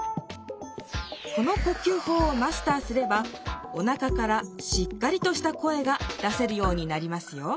この呼吸法をマスターすればおなかからしっかりとした声が出せるようになりますよ